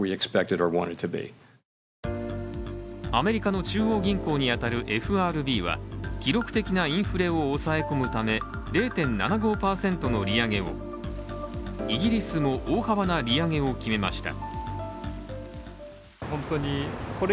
アメリカの中央銀行に当たるＦＲＢは記録的なインフレを抑え込むため０．７５％の利上げを、イギリスも大幅な利上げを決めました。